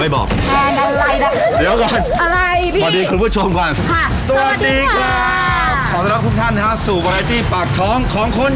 เดี๋ยวก่อน